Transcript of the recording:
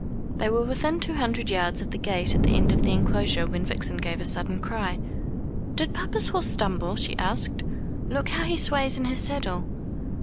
They were within two hundred yards of the gate at the end of the enclosure, when Vixen gave a sudden cry: "Did papa's horse stumble?" she asked; "look how he sways in his saddle."